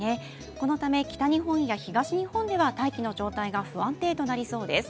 このため、北日本や東日本では大気の状態が不安定となりそうです。